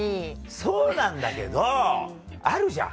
そうなんだけどあるじゃん。